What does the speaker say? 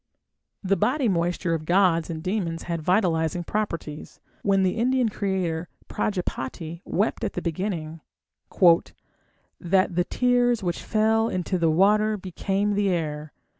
The body moisture of gods and demons had vitalizing properties. When the Indian creator, Prajápati, wept at the beginning, "that (the tears) which fell into the water became the air.